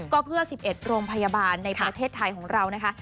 ก็เพื่อ๑๑โรงพยาบาลในประเทศไทยของเรานะคะ